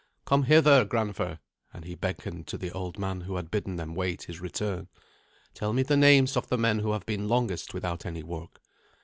Come hither, grandfer," and he beckoned to the old man who had bidden them wait his return, "tell me the names of the men who have been longest without any work."